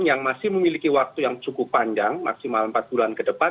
yang masih memiliki waktu yang cukup panjang maksimal empat bulan ke depan